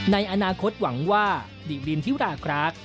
ในอนาคตหวังว่าดีบินทิวราคราก